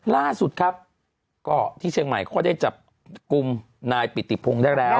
ล่าสุดครับก็ที่เชียงใหม่เขาได้จับกลุ่มนายปิติพงศ์ได้แล้ว